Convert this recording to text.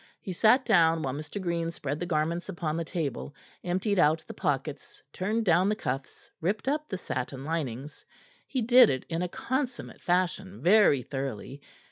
He sat down while Mr. Green spread the garments upon the table, emptied out the pockets, turned down the cuffs, ripped up the satin linings. He did it in a consummate fashion, very thoroughly.